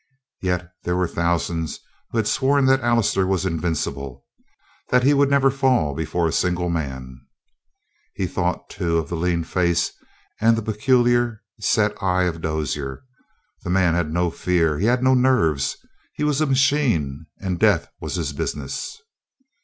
Yet there were thousands who had sworn that Allister was invincible that he would never fall before a single man. He thought, too, of the lean face and the peculiar, set eye of Dozier. The man had no fear, he had no nerves; he was a machine, and death was his business.